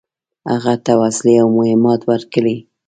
هغه ته وسلې او مهمات ورکړي.